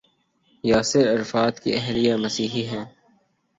Yasir Arafat کی اہلیہ مسیحی ہیں۔